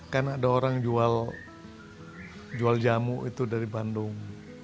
kan ada orang jual jamu itu dari bandung